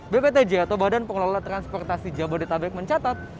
bptj atau badan pengelola transportasi jabodetabek mencatat